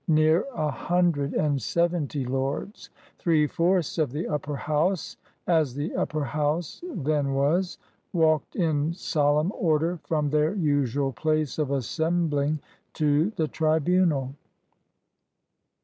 Near a hun dred and seventy lords, three fourths of the Upper House as the Upper House then was, walked in solemn order from their usual place of assembling to the tribunal.